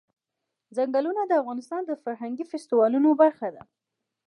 ځنګلونه د افغانستان د فرهنګي فستیوالونو برخه ده.